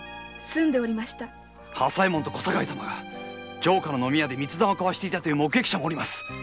朝右衛門と小堺様が城下の飲み屋で密談していたという目撃者も。